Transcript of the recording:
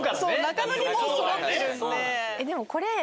中野にもうそろってるんで。